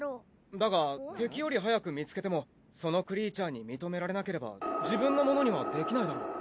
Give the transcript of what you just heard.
だが敵より早く見つけてもそのクリーチャーに認められなければ自分のものにはできないだろ。